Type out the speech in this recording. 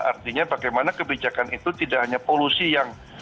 artinya bagaimana kebijakan itu tidak hanya polusi yang